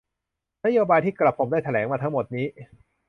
นโยบายที่กระผมได้แถลงมาทั้งหมดนี้